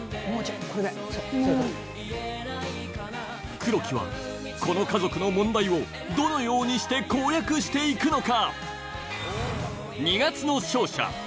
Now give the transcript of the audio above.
黒木はこの家族の問題をどのようにして攻略して行くのか？